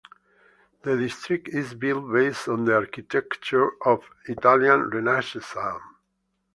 The district is built based on the architecture of the Italian Renaissance.